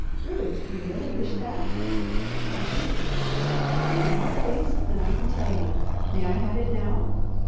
"Ruth, do you really wish that?" "I do." "I am more pleased than I can tell you. May I have it now?"